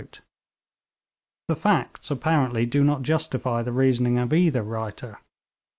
The facts apparently do not justify the reasoning of either writer.